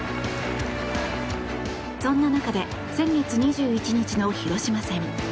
そんな中で先月２１日の広島戦。